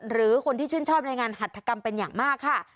หรือคนที่ชื่นชอบในงานหัฐกรรมเป็นอย่างมากค่ะ